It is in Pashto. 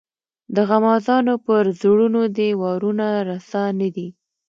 د غمازانو پر زړونو دي وارونه رسا نه دي.